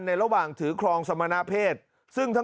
มีพฤติกรรมเสพเมถุนกัน